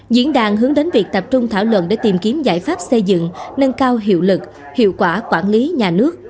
diễn đàn hướng đến việc tập trung thảo luận để tìm kiếm giải pháp xây dựng nâng cao hiệu lực hiệu quả quản lý nhà nước